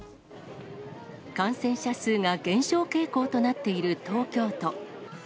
感染者数が減少傾向となっている東京都。